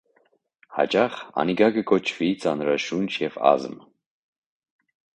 Յաճախ անիկա կը կոչուի ծանրաշունչ եւ ազմ։